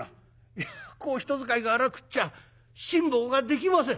「いやこう人使いが荒くっちゃ辛抱ができません」。